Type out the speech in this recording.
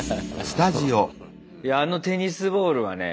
いやあのテニスボールはね